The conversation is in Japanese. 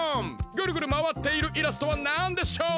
ぐるぐるまわっているイラストはなんでしょう？